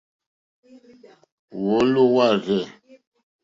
Wɔ́ɔ́lɔ̀ wâ rzɛ̂.